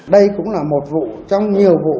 đây cũng là một vụ trong nhiều vụ